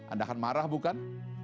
anda akan marah bukan